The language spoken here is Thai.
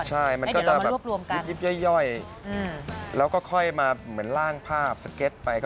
ใช่มันก็จะแบบยิบย่อยแล้วก็ค่อยมาเหมือนล่างภาพสเก็ตไป